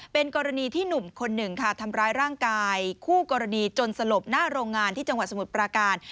เป็นกรณีที่หนุ่มคนหนึ่งค่ะทำร้ายร่างกายคู่กรณีจนสลบหน้าโรงงานที่จังหวัดสมุทรปราการ